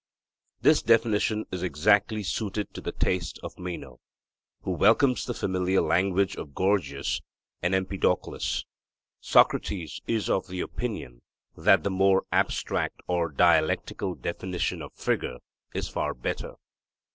This definition is exactly suited to the taste of Meno, who welcomes the familiar language of Gorgias and Empedocles. Socrates is of opinion that the more abstract or dialectical definition of figure is far better.